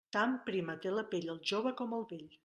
Tan prima té la pell el jove com el vell.